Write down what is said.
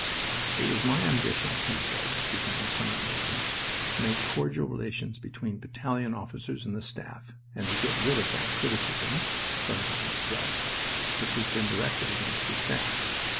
"It was my ambition," he said, speaking with some emotion, "to make cordial relations between battalion officers and the staff, and to get rid of that criticism (sometimes just) which has been directed against the staff.